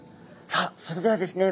さあそれではですね